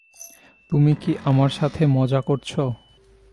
তুমি কি আমার সাথে মজা করছ?